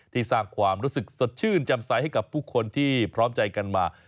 สร้างความรู้สึกสดชื่นจำใสให้กับผู้คนที่พร้อมใจกันมา